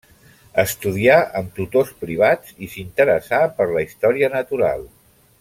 Estudià amb tutors privats i s'interessà per la història natural.